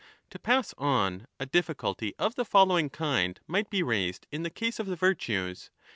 35 To pass on, a difficulty of the following kind might be lised in the case of the virtues.